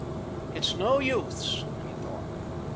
"It is no use," he thought.